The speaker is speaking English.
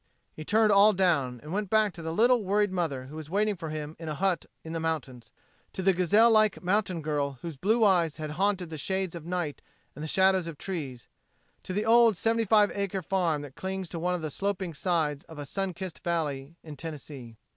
He turned all down, and went back to the little worried mother who was waiting for him in a hut in the mountains, to the gazelle like mountain girl whose blue eyes had haunted the shades of night and the shadows of trees, to the old seventy five acre farm that clings to one of the sloping sides of a sun kissed valley in Tennessee.